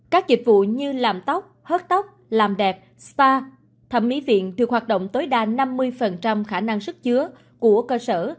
các dịch vụ như làm tóc hớt tóc làm đẹp spa thẩm mỹ viện được hoạt động tối đa năm mươi khả năng sức chứa của cơ sở